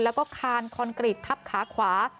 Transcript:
แล้วก็คานคอนกรีตทับขาขวา